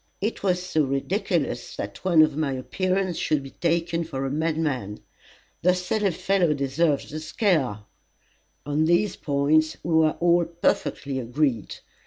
"It was so ridiculous that one of my appearance should be taken for a madman. The silly fellow deserved the scare." On these points we were all perfectly agreed.